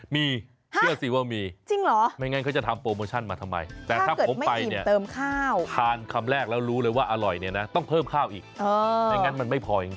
มีเชื่อสิว่ามีจริงเหรอไม่งั้นเขาจะทำโปรโมชั่นมาทำไมแต่ถ้าผมไปเนี่ยทานคำแรกแล้วรู้เลยว่าอร่อยเนี่ยนะต้องเพิ่มข้าวอีกไม่งั้นมันไม่พอจริง